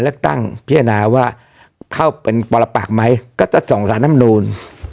เลือกตั้งพิจารณาว่าเข้าเป็นปรปากไหมก็จะส่งสารน้ำนูล